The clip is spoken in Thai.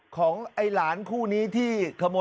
ของไอ้หลานคู่นี้ที่